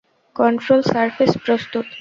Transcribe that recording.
Control surface, প্রস্তুত।